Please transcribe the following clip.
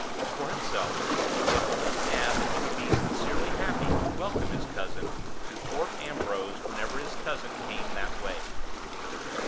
For himself, he had only to add that he would be sincerely happy to welcome his cousin to Thorpe Ambrose whenever his cousin came that way.